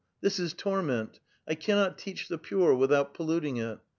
This is torment ; I cannot touch the pure without polluting it.